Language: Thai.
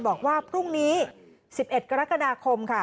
บอกว่าพรุ่งนี้๑๑กรกฎาคมค่ะ